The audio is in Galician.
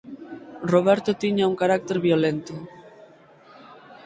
Roberto tiña un carácter violento.